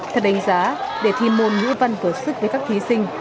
thật đánh giá để thi môn ngữ văn có sức với các thí sinh